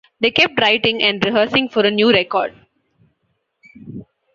They kept writing and rehearsing for a new record.